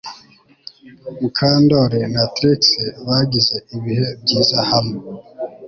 Mukandoli na Trix bagize ibihe byiza hamwe